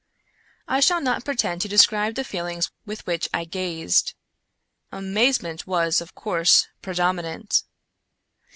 I shall not pretend to describe the feelings with which I gazed. Amazement was, of course, predominant.